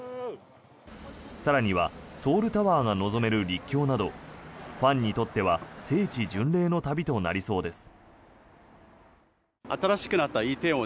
更にはソウルタワーが望める陸橋などファンにとっては聖地巡礼の旅となりそうです。